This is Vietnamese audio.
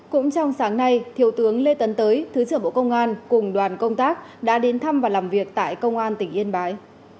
cũng trong sáng nay thiếu tướng lê tấn tới thứ trưởng bộ công an cùng đoàn công tác đã đến thăm và làm việc tại công an tỉnh yên bái